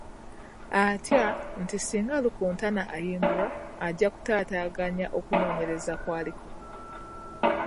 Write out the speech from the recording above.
Atya nti singa Rukutana ayimbulwa ajja kutaataaganya okunoonyereza kw'aliko.